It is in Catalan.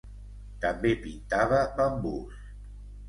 També pintava bambús.